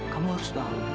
kamu harus tahu